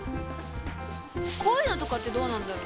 こういうのとかってどうなんだろう？